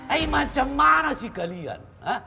eh macam marah sih kalian